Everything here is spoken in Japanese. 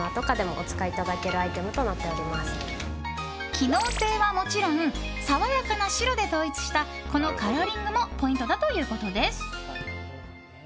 機能性はもちろん爽やかな白で統一したこのカラーリングもポイントだということです。